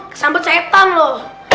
kesambut setan loh